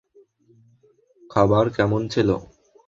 খাবার কেমন ছিল?